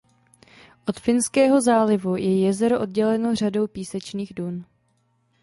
Od "Finského zálivu" je jezero odděleno řadou písečných dun.